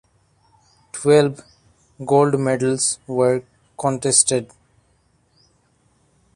Twelve gold medals were contested.